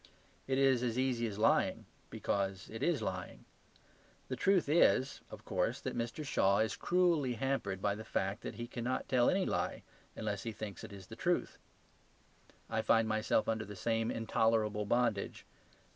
It is as easy as lying; because it is lying. The truth is, of course, that Mr. Shaw is cruelly hampered by the fact that he cannot tell any lie unless he thinks it is the truth. I find myself under the same intolerable bondage.